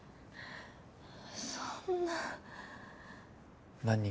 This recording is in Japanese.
そんな。